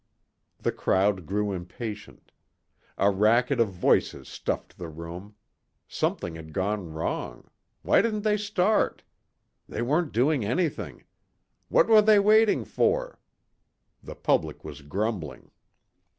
The crowd grew impatient. A racket of voices stuffed the room. Something had gone wrong ... why didn't they start ... they weren't doing anything ... what were they waiting for ... the public was grumbling.